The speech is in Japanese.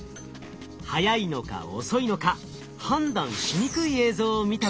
速いのか遅いのか判断しにくい映像を見た時。